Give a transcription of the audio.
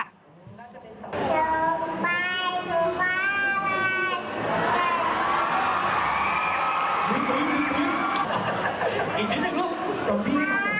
อ๋อมะลิ